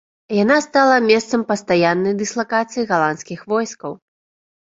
Яна стала месцам пастаяннай дыслакацыі галандскіх войскаў.